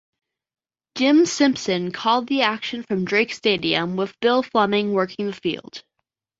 Jim Simpson called the action from Drake Stadium with Bill Flemming working the field.